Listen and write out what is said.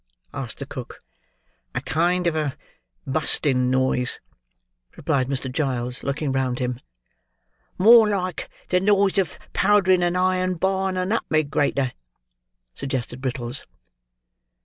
asked the cook. "A kind of a busting noise," replied Mr. Giles, looking round him. "More like the noise of powdering a iron bar on a nutmeg grater," suggested Brittles.